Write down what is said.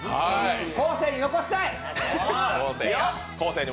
後世に残したい、昴